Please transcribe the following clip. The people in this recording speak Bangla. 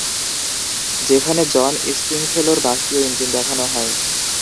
সেখানে জন স্ট্রিংফেলোর বাষ্পীয় ইঞ্জিন দেখানো হয়।